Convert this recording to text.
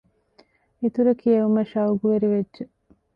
އިތުރަށް ކިޔެވުމަށް ޝަައުޤުވެރިވެއްޖެ